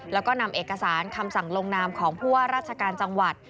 แล้วก็นำเอกสารคำสั่งลงนามของผู้ว่าราชการจังหวัด